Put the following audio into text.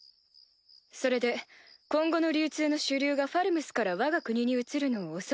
それで今後の流通の主流がファルムスからわが国に移るのを恐れ